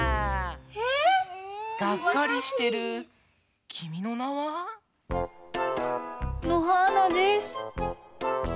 ええ⁉がっかりしてる「君の名は。」？のはーなです。